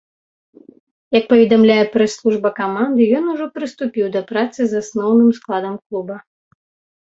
Як паведамляе прэс-служба каманды, ён ужо прыступіў да працы з асноўным складам клуба.